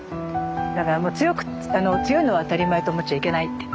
だからもう強く強いのは当たり前と思っちゃいけないって。